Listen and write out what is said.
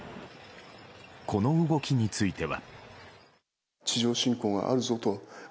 この動きについては。